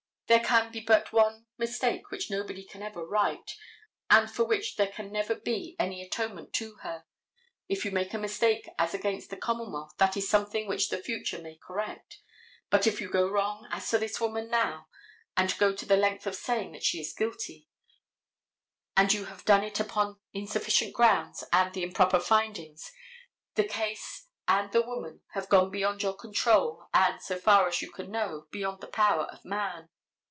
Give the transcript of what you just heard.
There can be but one mistake which nobody can ever right, and for which there can never be any atonement to her. If you make a mistake as against the commonwealth that is something which the future may correct, but if you go wrong as to this woman now, and go to the length of saying that she is guilty, and you have done it upon insufficient grounds and the improper findings, the case and the woman have gone beyond your control, and, so far as you can know, beyond the power of man.